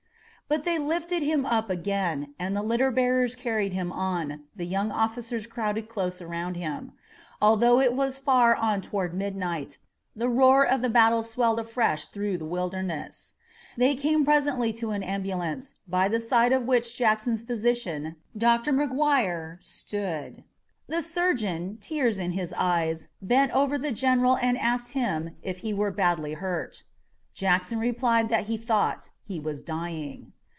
But they lifted him up again, and the litter bearers carried him on, the young officers crowded close around him. Although it was far on toward midnight, the roar of the battle swelled afresh through the Wilderness. They came presently to an ambulance, by the side of which Jackson's physician, Dr. McGuire, stood. The surgeon, tears in his eyes, bent over the general and asked him if he were badly hurt. Jackson replied that he thought he was dying.